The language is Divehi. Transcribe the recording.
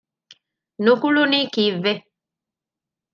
ނުކުޅުނީ ކީއްވެ؟